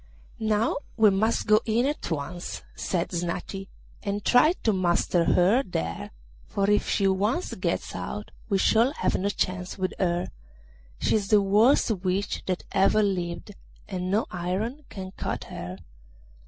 'Now we must go in at once,' said Snati, 'and try to master her there, for if she once gets out we shall have no chance with her. She is the worst witch that ever lived, and no iron can cut her.